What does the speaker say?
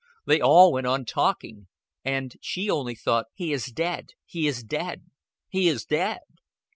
They all went on talking; and she only thought: "He is dead. He is dead. He is dead."